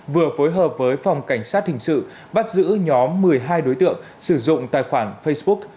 vừa phối hợp với phòng cảnh sát hình sự bắt giữ nhóm một mươi hai đối tượng sử dụng tài khoản facebook